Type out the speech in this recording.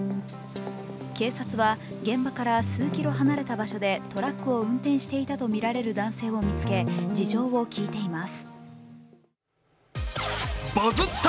警察は現場から数キロ離れた先でトラックを運転していたとみられる男性を見つけ、事情を聴いています。